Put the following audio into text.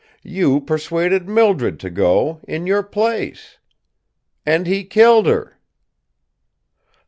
You persuaded Mildred to go in your place. And he killed her."